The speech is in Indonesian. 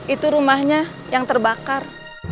itu rumahnya yang terbakar